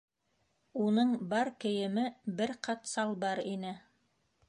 Уның бар кейеме - бер ҡат салбар ине.